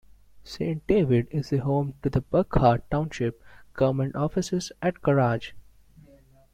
Saint David is the home to the Buckheart Township government offices and garage.